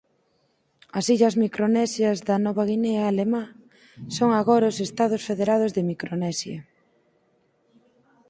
As illas micronesias da Nova Guinea alemá son agora os Estados Federados de Micronesia.